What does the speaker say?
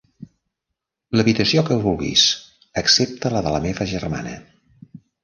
L'habitació que vulguis, excepte la de la meva germana.